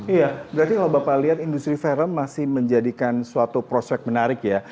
iya berarti kalau bapak lihat industri film masih menjadikan suatu prospek menarik ya